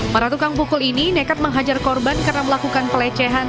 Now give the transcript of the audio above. para tukang pukul ini nekat menghajar korban karena melakukan pelecehan